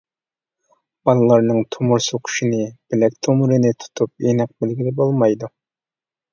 بالىلارنىڭ تومۇر سوقۇشىنى بىلەك تومۇرىنى تۇتۇپ ئېنىق بىلگىلى بولمايدۇ.